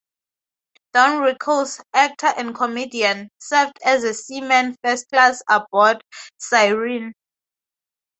Don Rickles, actor and comedian, served as a Seaman First Class aboard "Cyrene".